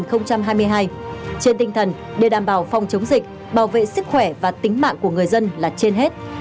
trên tinh thần để đảm bảo phòng chống dịch bảo vệ sức khỏe và tính mạng của người dân là trên hết